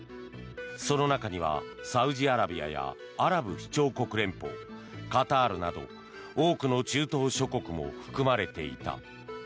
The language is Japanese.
その中にはサウジアラビアやアラブ首長国連邦カタールなど多くの中東諸国も含まれていた。